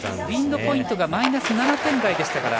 ウィンドポイントがマイナス７点台でした。